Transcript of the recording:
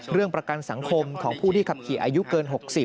ประกันสังคมของผู้ที่ขับขี่อายุเกิน๖๐